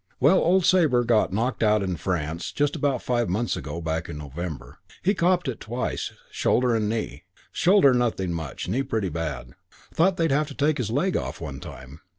Well, old Sabre got knocked out in France just about five months ago, back in November. He copped it twice shoulder and knee. Shoulder nothing much; knee pretty bad. Thought they'd have to take his leg off, one time.